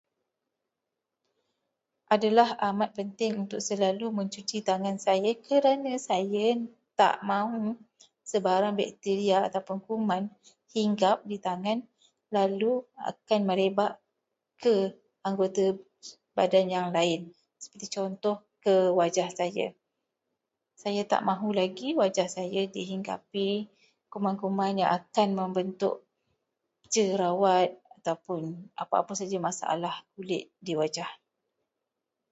Adalah amat penting untuk selalu mencuci tangan saya kerana saya tak mahu sebarang bakteria atau kuman hinggap di tangan, lalu akan merebak ke anggota badan yang lain, seperti contoh, ke wajah saya. Saya tak mahu lagi wajah saya dihinggapi kuman-kuman yang akan membentuk jerawat atau apa-apa saja masalah kulit di wajah.